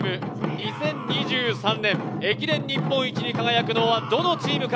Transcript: ２０２３年、駅伝日本一に輝くのはどのチームか！？